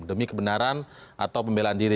demi kebenaran atau pembelaan diri